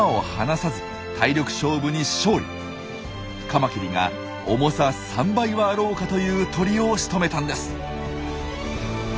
カマキリが重さ３倍はあろうかという鳥をしとめたんです。